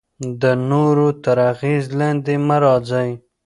د نورو تر اغیز لاندې مه راځئ.